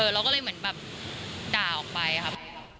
เราก็เลยเหมือนแบบด่าออกไปครับ